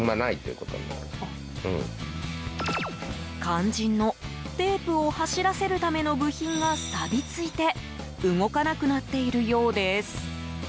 肝心のテープを走らせるための部品がさび付いて動かなくなっているようです。